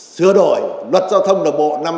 sửa đổi luật giao thông đường bộ năm hai nghìn tám